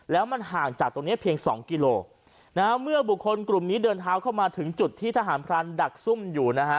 แล้วมันห่างจากตรงนี้เพียงสองกิโลนะฮะเมื่อบุคคลกลุ่มนี้เดินเท้าเข้ามาถึงจุดที่ทหารพรานดักซุ่มอยู่นะฮะ